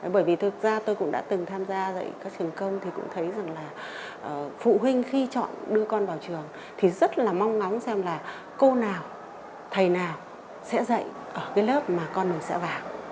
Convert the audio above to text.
bởi vì thực ra tôi cũng đã từng tham gia dạy các trường công thì cũng thấy rằng là phụ huynh khi chọn đưa con vào trường thì rất là mong ngóng xem là cô nào thầy nào sẽ dạy ở cái lớp mà con mình sẽ vào